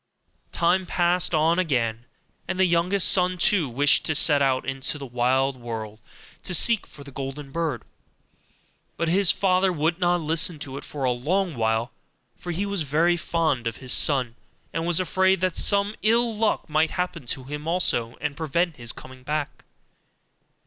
Time passed on again, and the youngest son too wished to set out into the wide world to seek for the golden bird; but his father would not listen to it for a long while, for he was very fond of his son, and was afraid that some ill luck might happen to him also, and prevent his coming back.